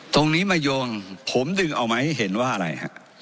ตรงนี้มาโยงผมดึงเอามาให้เห็นว่าอะไรฮะ